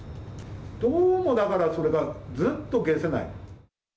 どうもだから、それがずっと解せない。